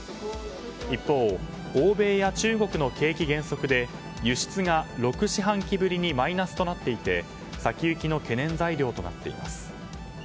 一方、欧米や中国の景気減速で輸出が６四半期ぶりにマイナスとなっていて先行きの懸念材料となっています。